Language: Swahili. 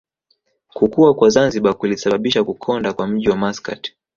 Kukua kwa Zanzibar kulisababisha kukonda kwa mji wa Maskat